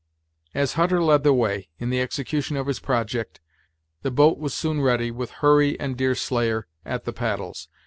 As Hutter led the way, in the execution of his project, the boat was soon ready, with Hurry and Deerslayer at the paddles.